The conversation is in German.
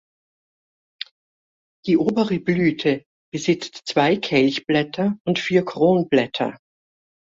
Die obere Blüte besitzt zwei Kelchblätter und vier Kronblätter.